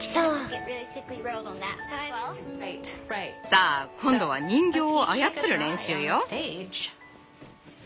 さあ今度は人形を操る練習よ。